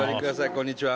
こんにちは。